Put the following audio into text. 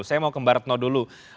saya mau ke mbak retno dulu